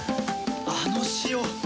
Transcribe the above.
あの塩。